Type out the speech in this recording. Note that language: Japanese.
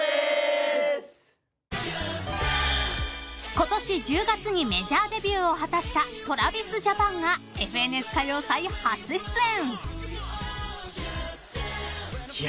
［ことし１０月にメジャーデビューを果たしたＴｒａｖｉｓＪａｐａｎが『ＦＮＳ歌謡祭』初出演］